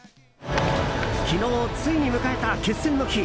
昨日、ついに迎えた決戦の日。